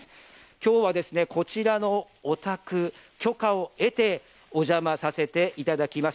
今日はこちらのお宅許可を得てお邪魔させていただきます。